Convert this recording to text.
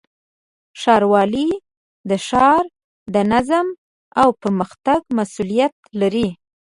ښاروالۍ د ښار د نظم او پرمختګ مسؤلیت لري.